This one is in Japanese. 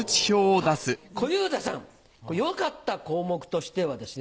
小遊三さん良かった項目としてはですね